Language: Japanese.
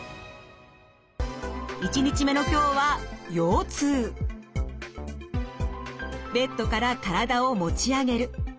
１日目の今日はベッドから体を持ち上げる。